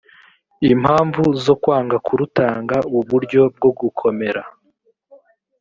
impamvu zo kwanga kurutanga uburyo bwo gukomera